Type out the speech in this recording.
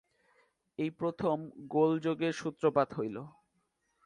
এই প্রথম গোলযোগের সূত্রপাত হইল।